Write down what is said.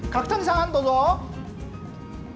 角谷さん、どうぞ。